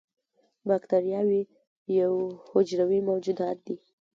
بکتریاوې یو حجروي موجودات دي